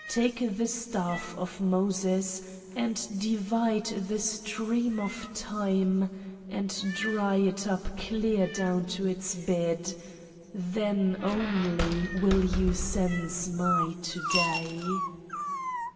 Take the staff of Moses and divide the stream of Time and dry it up clear down to its bed then only will you sense my To day.